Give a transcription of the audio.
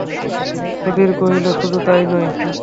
সুধীর কহিল, শুধু তাই নয়।